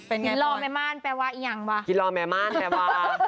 เอิ้นล่อแม่ม่านแปลว่าอย่างหวะ